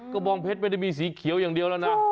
บองเพชรไม่ได้มีสีเขียวอย่างเดียวแล้วนะ